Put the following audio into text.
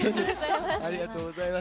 ありがとうございます。